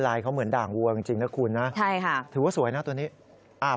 ลายเขาเหมือนด่างบัวจริงนะคุณนะถือว่าสวยนะตัวนี้ใช่ค่ะ